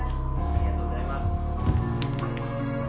・ありがとうございます